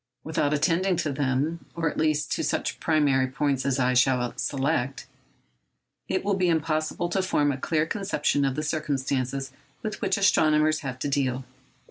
Without attending to them—or at least to such primary points as I shall select—it would be impossible to form a clear conception of the circumstances with which astronomers have to deal.